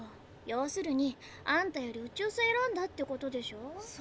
要するにあんたより宇宙船を選んだってことでしょ。